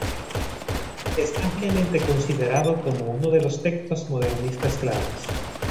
Es ampliamente considerado como uno de los textos modernistas clave.